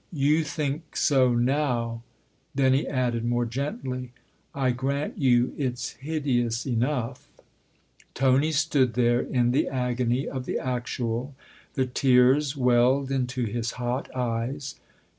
" You think so now !" Then he added more gently :" I grant you it's hideous enough." Tony stood there in the agony of the actual ; the tears welled into his hot eyes.